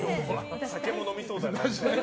酒も飲みそうだし。